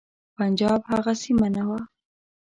پنجاب هغه سیمه نه وه.